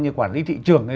như quản lý thị trưởng